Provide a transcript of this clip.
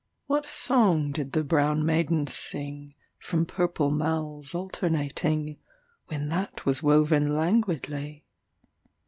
What song did the brown maidens sing, From purple mouths alternating, When that was woven languidly?